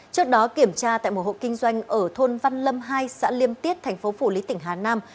trước đó kiểm tra tại mùa hộ kinh doanh ở thôn văn lâm hai xã liêm tiết tp phủ lý tỉnh hà nam